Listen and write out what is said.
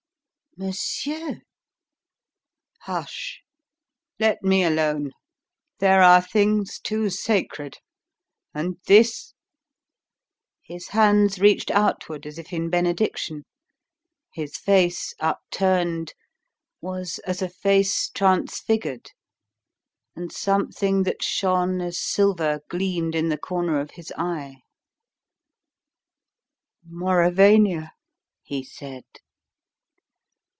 "Monsieur!" "Hush! Let me alone. There are things too sacred; and this " His hands reached outward as if in benediction; his face, upturned, was as a face transfigured, and something that shone as silver gleamed in the corner of his eye. "Mauravania!" he said.